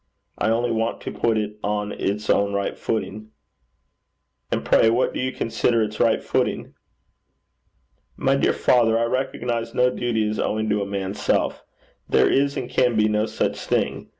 I only want to put it on its own right footing.' 'And pray what do you consider its right footing?' 'My dear father, I recognize no duty as owing to a man's self. There is and can be no such thing.